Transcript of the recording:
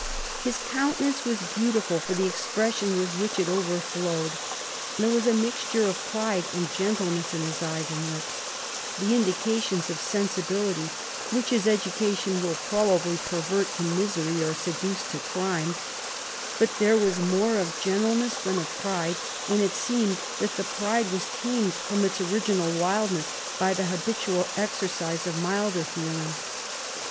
His countenance was Ill beautiful for the expression with which it overflowed. There was a mixture of pride and gentleness in his eyes and lips, the indications of sensibility, which his education will probably per vert to misery or seduce to crime ; but there was more of gentleness than of pride, and it seemed that the pride was tamed from its original wildness by the habitual exercise of milder feelings.